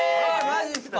マジっすか。